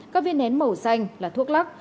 các viên nén màu xanh là thuốc lắc